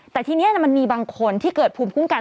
แต่ทีนี้มันมีบางคนที่เกิดภูมิคุ้มกัน